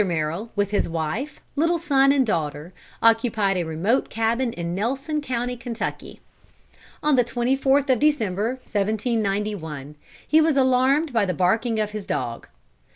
Merrill, with his wife, little son and daughter, occupied a remote cabin in Nelson County, Kentucky. On the 24th of December, 1791, he was alarmed by the barking of his dog.